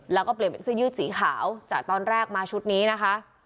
แล้วก็เปลี่ยนเป็นเสื้อยืดสีขาวจากตอนแรกมาชุดนี้นะคะ